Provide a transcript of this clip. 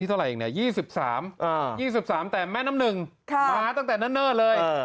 เท่าไหร่เองเนี่ย๒๓๒๓แต่แม่น้ำหนึ่งมาตั้งแต่เนิ่นเลย